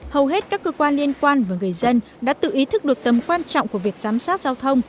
hầu hết các cơ quan liên quan và người dân đã tự ý thức được tầm quan trọng của việc giám sát giao thông